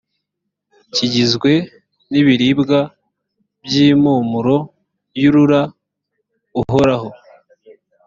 kigizwe n’ibiribwa by’impumuro yurura uhoraho.